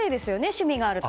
趣味があると。